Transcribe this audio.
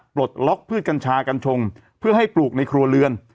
ปลดล็อกพืชกัญชากัญชงเพื่อให้ปลูกในครัวเรือน